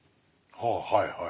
ははいはい。